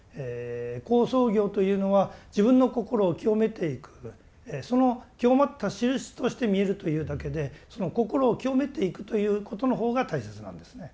好相行というのは自分の心を清めていくその清まったしるしとして見えるというだけでその心を清めていくということのほうが大切なんですね。